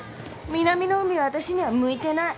南の海は私には向いてない。